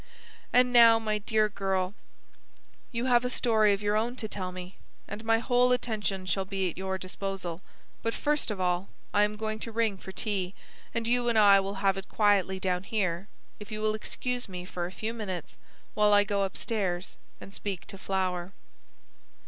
And now, my dear girl, you have a story of your own to tell me, and my whole attention shall be at your disposal. But first of all I am going to ring for tea, and you and I will have it quietly down here, if you will excuse me for a few minutes while I go upstairs and speak to Flower."